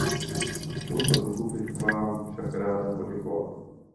V tomto duchu bych vám všem ráda poděkovala.